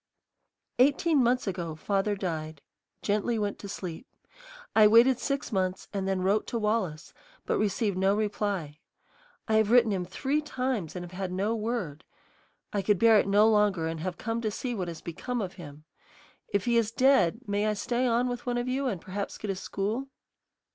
"Eighteen months ago father died, gently went to sleep. I waited six months and then wrote to Wallace, but received no reply. I have written him three times and have had no word. I could bear it no longer and have come to see what has become of him. If he is dead, may I stay on with one of you and perhaps get a school?